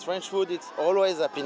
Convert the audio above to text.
thức ăn pháp luôn luôn là hạnh phúc